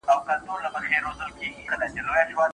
آیا شات تر بورې طبیعي خواږه دي؟